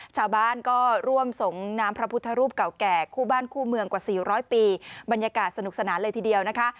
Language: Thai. ชาวบ้านก็ร่วมส่งน้ำพระพุทธรูปเก่าแก่คู่บ้านคู่เมืองกว่าสี่ร้อยปีบรรยากาศสนุกสนานเลยทีเดียวนะคะ